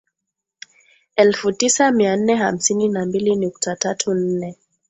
elfu tisa mia nne hamsini na mbili nukta tatu nne